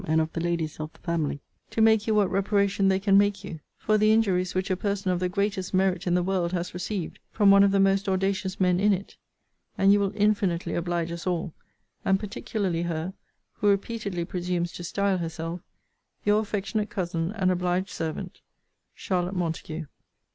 and of the ladies of the family, to make you what reparation they can make you, for the injuries which a person of the greatest merit in the world has received from one of the most audacious men in it; and you will infinitely oblige us all; and particularly her, who repeatedly presumes to style herself Your affectionate cousin, and obliged servant, CHARLOTTE MONTAGUE.